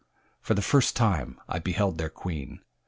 For the first time I beheld their queen.